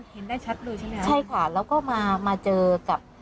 เห็นได้ชัดเลยใช่ไหมคะใช่ค่ะแล้วก็มามาเจอกับ